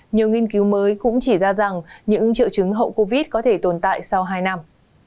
nhiều nghiên cứu mới cũng chỉ ra rằng những triệu chứng hậu covid có thể tồn tại sau hai năm